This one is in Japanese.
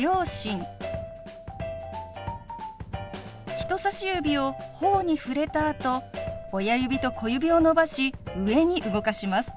人さし指をほおに触れたあと親指と小指を伸ばし上に動かします。